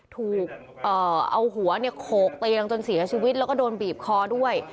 ถูกเอาหัวโขกเตียงจนเสียชีวิตแล้วก็โดนบีบคอด้วย